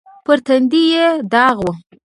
پر تندي يې داغ و.